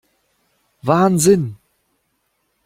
Wahnsinn!